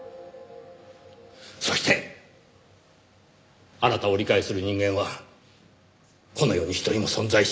そしてあなたを理解する人間はこの世に１人も存在しない。